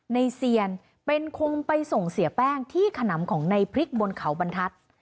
เซียนเป็นคงไปส่งเสียแป้งที่ขนำของในพริกบนเขาบรรทัศน์